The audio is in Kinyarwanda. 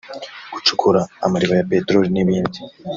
gucukura amariba ya peteroli n’ibindi